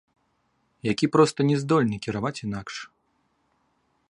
Які проста не здольны кіраваць інакш.